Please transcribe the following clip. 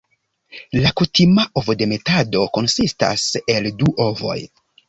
La kutima ovodemetado konsistas el du ovoj.